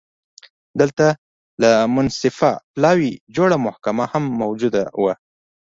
دلته له منصفه پلاوي جوړه محکمه هم موجوده وه